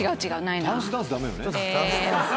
タンスダンスダメよね。